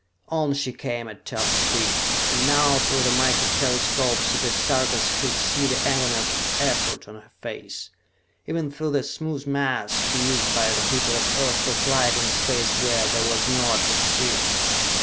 On she came at top speed, and now through the micro telescopes the Sarkas could see the agony of effort on her face, even through the smooth mask used by the people of Earth for flight in space where there was no atmosphere.